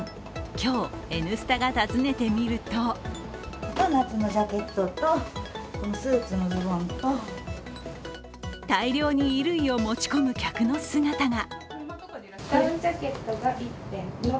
今日、「Ｎスタ」が訪ねてみると大量に衣類を持ち込む客の姿が。